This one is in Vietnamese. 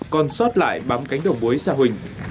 còn sót lại bám cánh đồng muối xa huỳnh